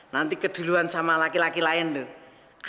nanti keduluan sama laki laki lain tuh